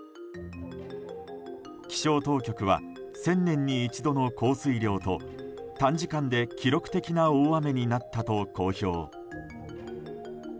気象当局は１０００年に一度の降水量と短時間で記録的な大雨になったと公表。